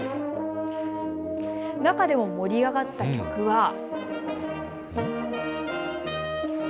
中でも盛り上がった曲は。